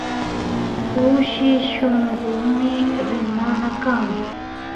Kushi shunkumi rimana kan